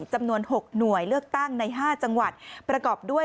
จำนวน๖หน่วยเลือกตั้งใน๕จังหวัดประกอบด้วย